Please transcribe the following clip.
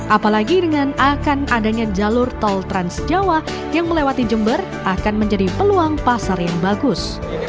apalagi dengan akan adanya jalur tol transjawa yang melewati jember akan menjadi peluang pasar yang bagus